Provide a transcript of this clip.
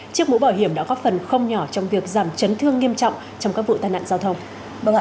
chiếc mũ bảo hiểm đã góp phần không nhỏ trong việc giảm chấn thương nghiêm trọng trong các vụ tai nạn giao thông